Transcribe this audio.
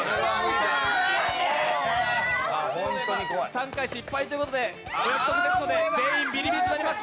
３回失敗ということでお約束ですので全員ビリビリとなります。